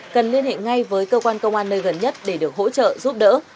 cần liên hệ ngay với cơ quan công an nơi gần nhất để được hỗ trợ giúp đỡ